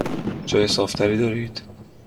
جای صاف تری دارید؟